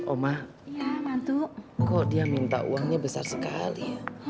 omah iya mantu kok dia minta uangnya besar sekali